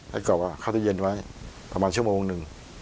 ให้กรอบก็เข้าที่เย็นไว้ประมาณชั่วโมงหนึ่ง